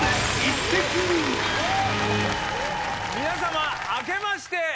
皆様あけまして。